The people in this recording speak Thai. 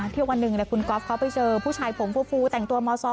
ที่วันหนึ่งคุณก๊อฟเขาไปเจอผู้ชายผมฟูแต่งตัวม๒